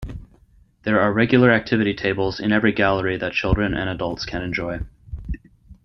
There are regular activity tables in every gallery that children and adults can enjoy.